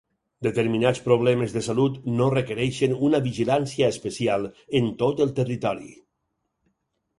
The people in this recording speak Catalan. Determinats problemes de salut no requereixen una vigilància especial en tot el territori.